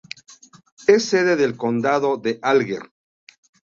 Es sede del condado de Alger.